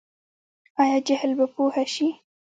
آیا جهل به پوهه شي؟